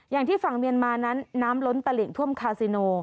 อย่างที่ฝั่งเมียนมานั้นน้ำล้นตลิ่งท่วมคาซิโน